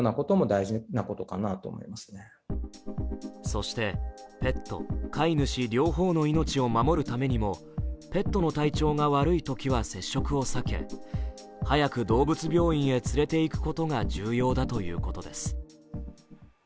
そして、ペット、飼い主両方の命を守るためにもペットの体調が悪いときには接触を避け早く動物病院へ連れていくことが重要だということです。